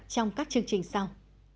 trong các chương trình sau